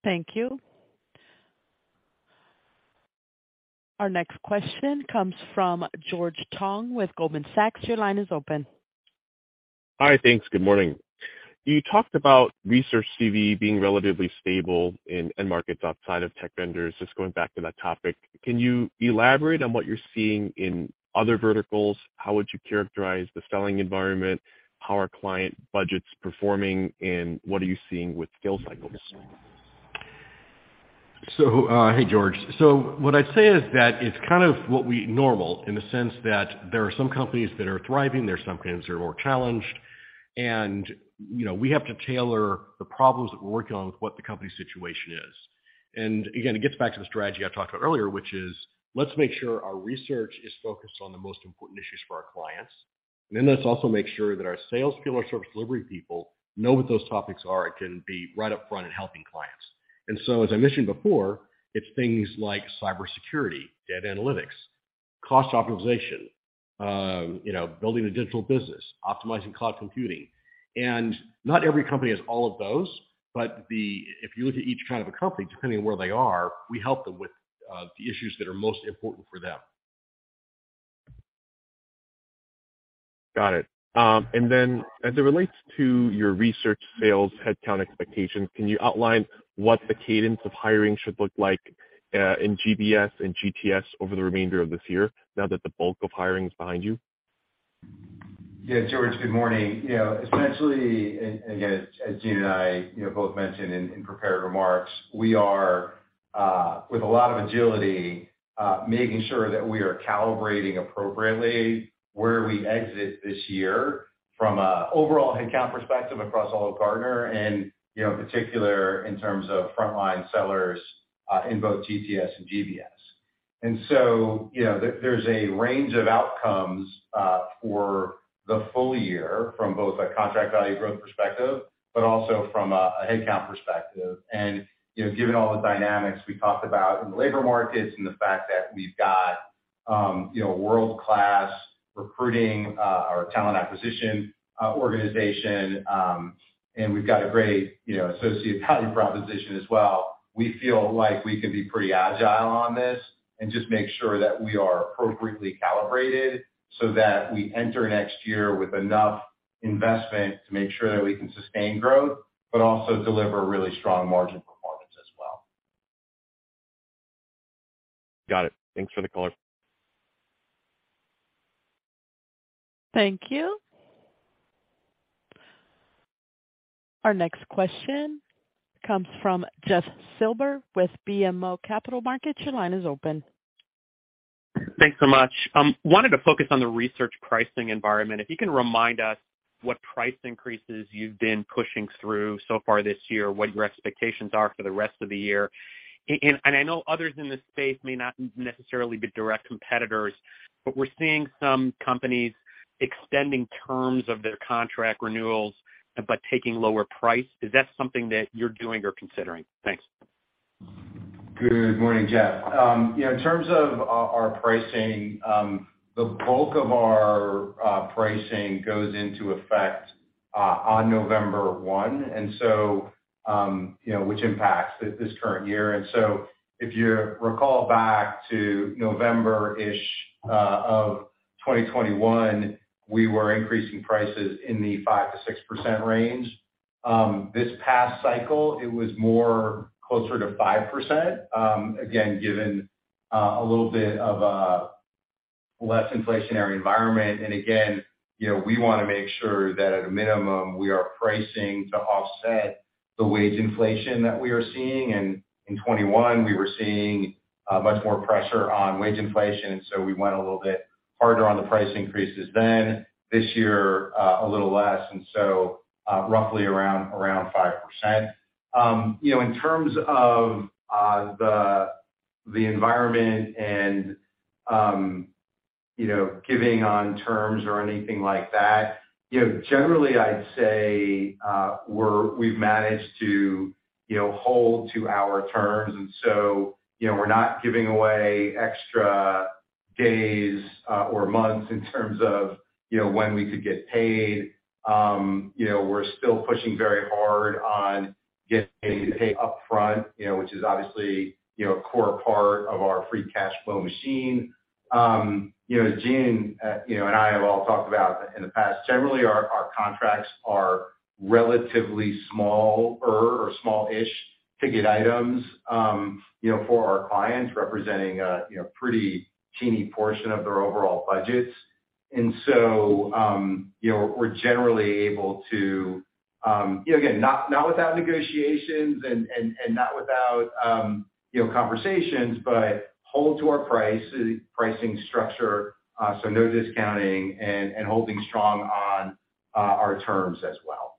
Thank you. Our next question comes from George Tong with Goldman Sachs. Your line is open. Hi. Thanks. Good morning. You talked about research CV being relatively stable in end markets outside of tech vendors. Going back to that topic, can you elaborate on what you're seeing in other verticals? How would you characterize the selling environment? How are client budgets performing, and what are you seeing with sales cycles? Hey, George. What I'd say is that it's kind of what we normal in the sense that there are some companies that are thriving, there are some companies that are more challenged. You know, we have to tailor the problems that we're working on with what the company situation is. Again, it gets back to the strategy I talked about earlier, which is let's make sure our research is focused on the most important issues for our clients. Then let's also make sure that our sales people, our service delivery people know what those topics are and can be right up front in helping clients. As I mentioned before, it's things like cybersecurity, data analytics. Cost optimization, you know, building a digital business, optimizing cloud computing. Not every company has all of those, but the... If you look at each kind of a company, depending on where they are, we help them with the issues that are most important for them. Got it. As it relates to your research sales headcount expectations, can you outline what the cadence of hiring should look like in GBS and GTS over the remainder of this year now that the bulk of hiring is behind you? Yeah, George, good morning. You know, essentially, and, again, as Gene and I, you know, both mentioned in prepared remarks, we are with a lot of agility, making sure that we are calibrating appropriately where we exit this year from a overall headcount perspective across all of Gartner and, you know, in particular, in terms of frontline sellers, in both GTS and GBS. There's a range of outcomes for the full year from both a contract value growth perspective, but also from a headcount perspective. you know, given all the dynamics we talked about in the labor markets and the fact that we've got, you know, world-class recruiting, our talent acquisition organization, and we've got a great, you know, associate value proposition as well, we feel like we can be pretty agile on this and just make sure that we are appropriately calibrated so that we enter next year with enough investment to make sure that we can sustain growth, but also deliver really strong margin performance as well. Got it. Thanks for the color. Thank you. Our next question comes from Jeff Silber with BMO Capital Markets. Your line is open. Thanks so much. wanted to focus on the research pricing environment. If you can remind us what price increases you've been pushing through so far this year, what your expectations are for the rest of the year. I know others in this space may not necessarily be direct competitors, but we're seeing some companies extending terms of their contract renewals but taking lower price. Is that something that you're doing or considering? Thanks. Good morning, Jeff. You know, in terms of our pricing, the bulk of our pricing goes into effect on November 1. You know, which impacts this current year. If you recall back to November-ish of 2021, we were increasing prices in the 5%-6% range. This past cycle it was more closer to 5%, again, given a little bit of a less inflationary environment. Again, you know, we wanna make sure that at a minimum, we are pricing to offset the wage inflation that we are seeing. In 2021 we were seeing much more pressure on wage inflation, so we went a little bit harder on the price increases then. This year, a little less, so roughly around 5%. You know, in terms of the environment and, you know, giving on terms or anything like that, you know, generally I'd say, we've managed to, you know, hold to our terms. So, you know, we're not giving away extra days or months in terms of, you know, when we could get paid. You know, we're still pushing very hard on getting paid upfront, you know, which is obviously, you know, a core part of our free cash flow machine. You know, as Gene, you know, and I have all talked about in the past, generally our contracts are relatively smaller or smallish ticket items, you for our clients, representing a, you know, pretty teeny portion of their overall budgets. You know, we're generally able to, you know, again, not without negotiations and not without, you know, conversations, but hold to our price-pricing structure. No discounting and holding strong on our terms as well.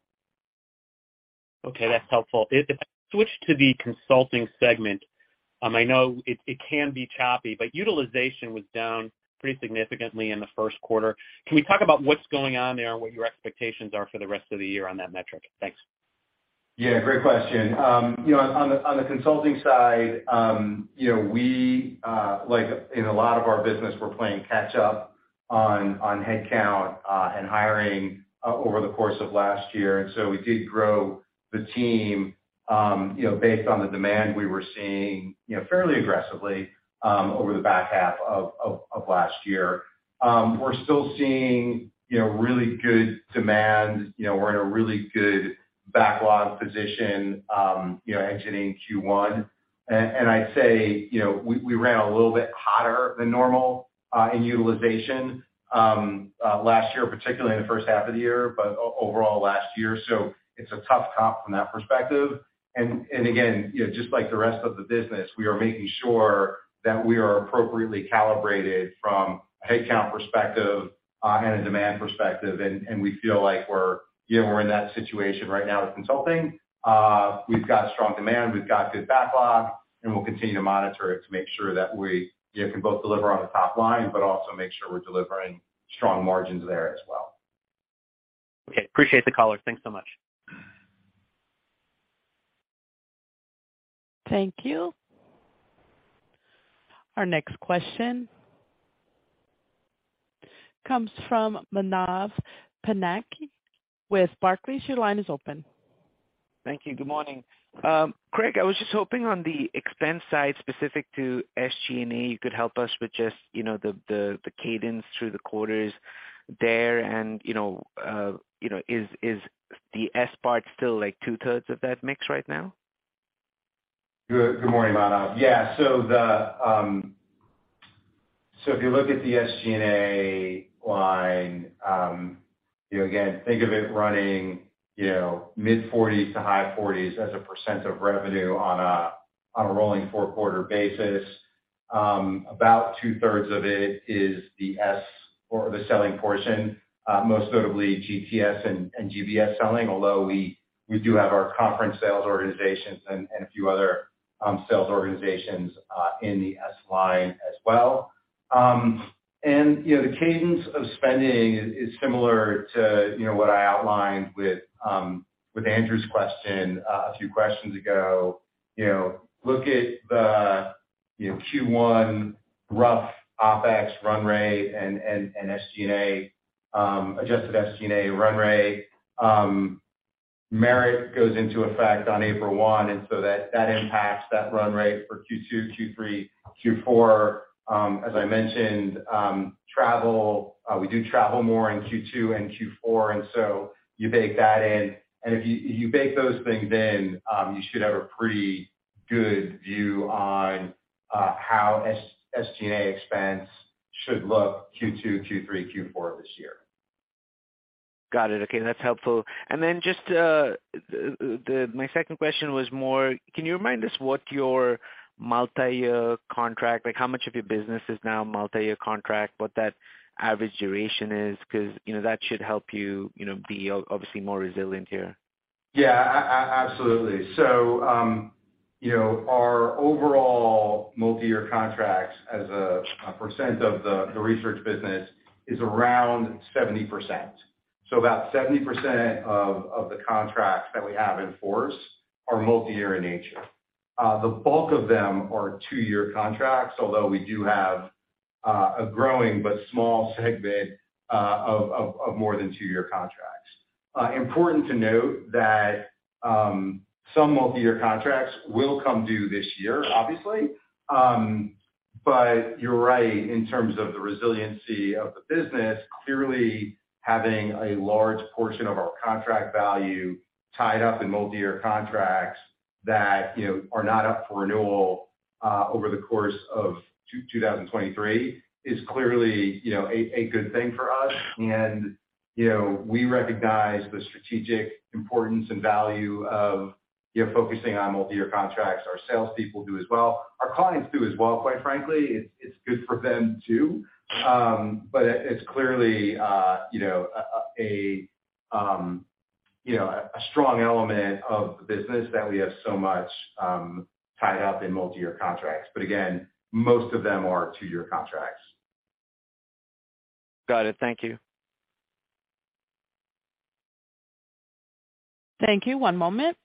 That's helpful. If I switch to the consulting segment, I know it can be choppy, but utilization was down pretty significantly in the first quarter. Can we talk about what's going on there and what your expectations are for the rest of the year on that metric? Thanks. Yeah, great question. You know, on the, on the consulting side, you know, we, like in a lot of our business, we're playing catch up on headcount, and hiring, over the course of last year. We did grow the team, you know, based on the demand we were seeing, you know, fairly aggressively, over the back half of last year. We're still seeing, you know, really good demand. You know, we're in a really good backlog position, you know, entering Q1. I'd say, you know, we ran a little bit hotter than normal, in utilization, last year, particularly in the first half of the year, but overall last year. It's a tough comp from that perspective. Again, you know, just like the rest of the business, we are making sure that we are appropriately calibrated from a headcount perspective, and a demand perspective. We feel like we're, you know, we're in that situation right now with consulting. We've got strong demand, we've got good backlog, and we'll continue to monitor it to make sure that we, can both deliver on the top line but also make sure we're delivering strong margins there as well. Okay. Appreciate the color. Thanks so much. Thank you. Our next question comes from Manav Patnaik with Barclays. Your line is open. Thank you. Good morning. Craig, I was just hoping on the expense side, specific to SG&A, you could help us with just, you know, the cadence through the quarters there and, you know, is the S part still like two-thirds of that mix right now? Good morning, Manav. If you look at the SG&A line, you know, again, think of it running, you know, mid-40s to high 40s as a % of revenue on a 4-quarter basis. About two-thirds of it is the S or the selling portion, most notably GTS and GBS selling, although we do have our conference sales organizations and a few other sales organizations in the S line as well. You know, the cadence of spending is similar to, you know, what I outlined with Andrew's question a few questions ago. You know, look at the, you know, Q1 rough OpEx run rate and SG&A, adjusted SG&A run rate. Merit goes into effect on April 1, that impacts that run rate for Q2, Q3, Q4. As I mentioned, travel, we do travel more in Q2 and Q4, you bake that in. If you, if you bake those things in, you should have a pretty good view on how SG&A expense should look Q2, Q3, Q4 this year. Got it. Okay, that's helpful. Then just my second question was more can you remind us what your multi-year contract, like how much of your business is now multi-year contract, what that average duration is? 'Cause, you know, that should help you know, be obviously more resilient here. Yeah. Absolutely. you know, our overall multi-year contracts as a percent of the research business is around 70%. About 70% of the contracts that we have in force are multi-year in nature. The bulk of them are two-year contracts, although we do have a growing but small segment of more than two-year contracts. Important to note that, some multi-year contracts will come due this year, obviously. But you're right in terms of the resiliency of the business, clearly having a large portion of our Contract Value tied up in multi-year contracts that, you know, are not up for renewal over the course of 2023 is clearly, you know, a good thing for us. you know, we recognize the strategic importance and value of, you know, focusing on multi-year contracts. Our salespeople do as well. Our clients do as well, quite frankly. It's, it's good for them too. It's clearly, you know, a, you know, a strong element of the business that we have so much tied up in multi-year contracts. Again, most of them are two-year contracts. Got it. Thank you. Thank you. One moment.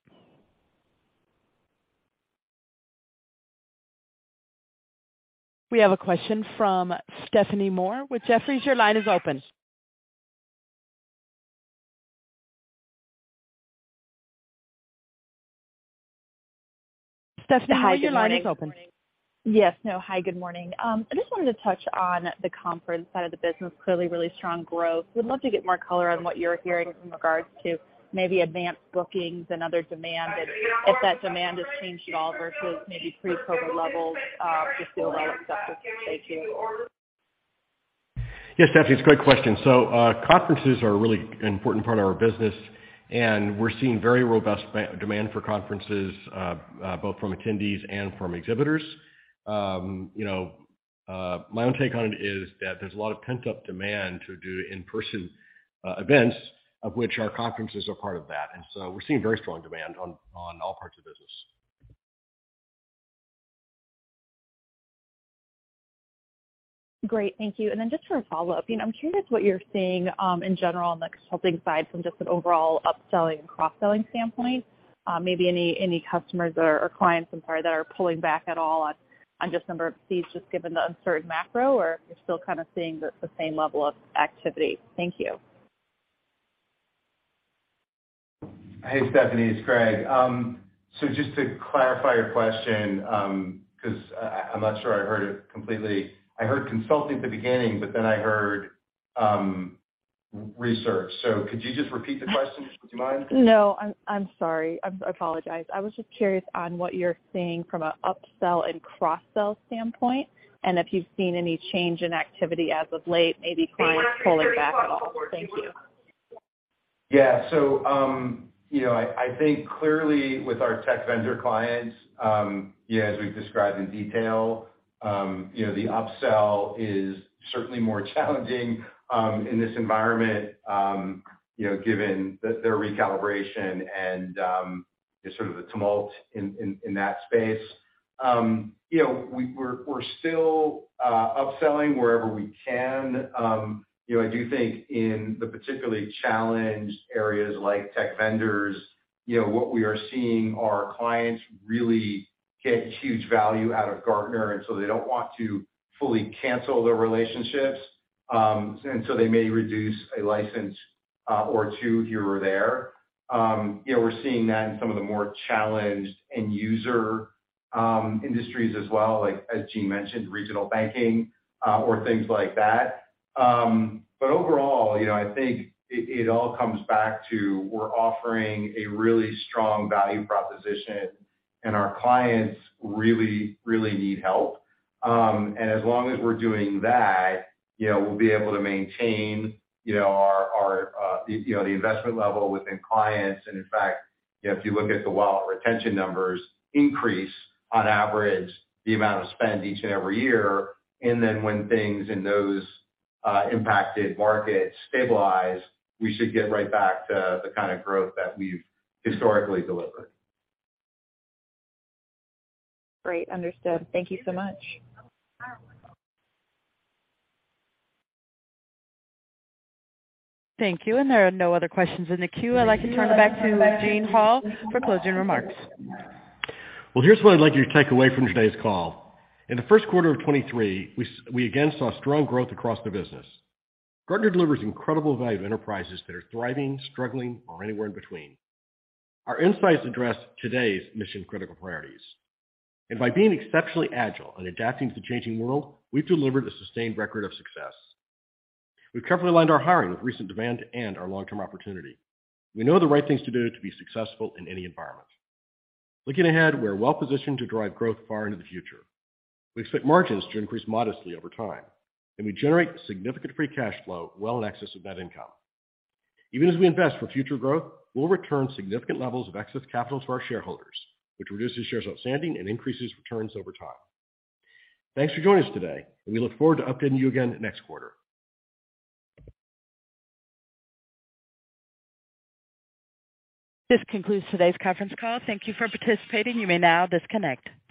We have a question from Stephanie Moore with Jefferies. Your line is open. Stephanie, your line is open. Yes. No. Hi, good morning. I just wanted to touch on the conference side of the business. Clearly really strong growth. We'd love to get more color on what you're hearing in regards to maybe advanced bookings and other demand and if that demand has changed at all versus maybe pre-COVID levels. Just the overall success. Yes, Stephanie, it's a great question. Conferences are a really important part of our business, and we're seeing very robust demand for conferences, both from attendees and from exhibitors. My own take on it is that there's a lot of pent-up demand to do in-person events, of which our conferences are part of that. We're seeing very strong demand on all parts of the business. Great. Thank you. Just for a follow-up, I'm curious what you're seeing in general on the consulting side from just an overall upselling and cross-selling standpoint. Maybe any customers or clients, I'm sorry, that are pulling back at all on just number of fees just given the uncertain macro or if you're still kind of seeing the same level of activity? Thank you. Hey, Stephanie, it's Craig. Just to clarify your question, 'cause I'm not sure I heard it completely. I heard consulting at the beginning, but then I heard research. Could you just repeat the question, would you mind? No, I'm sorry. I apologize. I was just curious on what you're seeing from a upsell and cross-sell standpoint, and if you've seen any change in activity as of late, maybe clients pulling back at all. Thank you. Yeah. I think clearly with our tech vendor clients, as we've described in detail, the upsell is certainly more challenging in this environment, given their recalibration and just sort of the tumult in that space. We're still upselling wherever we can. I do think in the particularly challenged areas like tech vendors, what we are seeing are clients really get huge value out of Gartner, and so they don't want to fully cancel their relationships. They may reduce a license or two here or there. We're seeing that in some of the more challenged end user industries as well, like as Gene mentioned, regional banking, or things like that. Overall, you know, I think it all comes back to we're offering a really strong value proposition and our clients really, really need help. As long as we're doing that, you know, we'll be able to maintain, you know, the investment level within clients. In fact, you know, if you look at the wallet retention numbers increase on average the amount of spend each and every year. When things in those impacted markets stabilize, we should get right back to the kind of growth that we've historically delivered. Great. Understood. Thank you so much. Thank you. There are no other questions in the queue. I'd like to turn it back to Gene Hall for closing remarks. Well, here's what I'd like you to take away from today's call. In the first quarter of 2023, we again saw strong growth across the business. Gartner delivers incredible value to enterprises that are thriving, struggling, or anywhere in between. Our insights address today's mission-critical priorities. By being exceptionally agile and adapting to the changing world, we've delivered a sustained record of success. We've carefully aligned our hiring with recent demand and our long-term opportunity. We know the right things to do to be successful in any environment. Looking ahead, we're well-positioned to drive growth far into the future. We expect margins to increase modestly over time, and we generate significant free cash flow well in excess of net income. Even as we invest for future growth, we'll return significant levels of excess capital to our shareholders, which reduces shares outstanding and increases returns over time. Thanks for joining us today, and we look forward to updating you again next quarter. This concludes today's conference call. Thank you for participating. You may now disconnect.